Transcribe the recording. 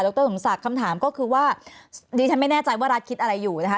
รสมศักดิ์คำถามก็คือว่าดิฉันไม่แน่ใจว่ารัฐคิดอะไรอยู่นะคะ